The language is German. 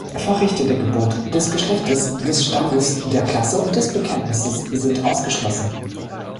Vorrechte der Geburt, des Geschlechtes, des Standes, der Klasse und des Bekenntnisses sind ausgeschlossen.